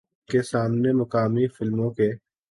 کے سامنے مقامی فلموں کے